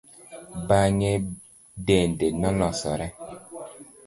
Bang'e dende nolosore.